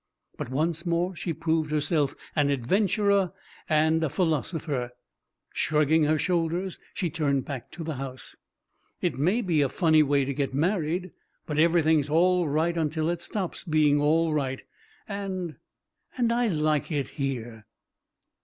But once more she proved herself an adventurer and a philosopher. Shrugging her shoulders, she turned back to the house. "It may be a funny way to get married; but everything's all right until it stops being all right, and and I like it here."